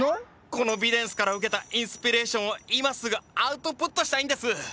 このビデンスから受けたインスピレーションを今すぐアウトプットしたいんです！